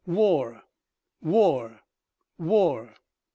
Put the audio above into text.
"WAR! WAR! WAR!"